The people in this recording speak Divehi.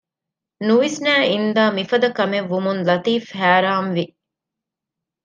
ނުވިސްނައި އިންދާ މިފަދަ ކަމެއްވުމުން ލަތީފް ހައިރާންވި